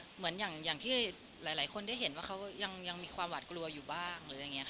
เหมือนที่หลายคนได้เห็นว่าเขายังมีความหวาดกลัวอยู่บ้าง